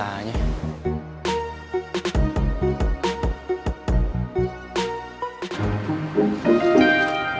bahkan gue anggap dia baju